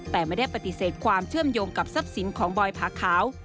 แต่ไม่ได้ปฏิเสธความเชื่อมโยงกับทรัพย์สินของบอยผาขาว